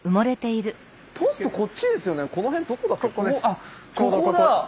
あここだ。